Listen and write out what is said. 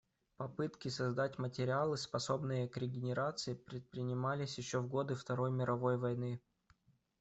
Попытки создать материалы, способные к регенерации, предпринимались ещё в годы Второй мировой войны.